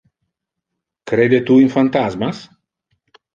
Crede tu in phantasmas?